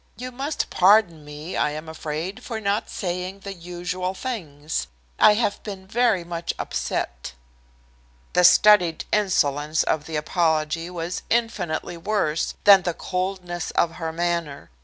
"You must pardon me, I am afraid, for not saying the usual things. I have been very much upset." The studied insolence of the apology was infinitely worse than the coldness of her manner.